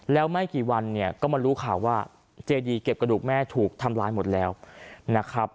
แล้วไม่กี่วันเนี่ยก็มารู้ข่าวว่าเจดีเก็บกระดูกแม่ถูกทำร้ายหมดแล้วนะครับ